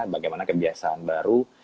bagaimana kebiasaan baru